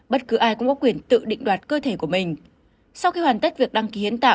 bất cứ ai cũng có quyền tự định đoạt cơ thể của mình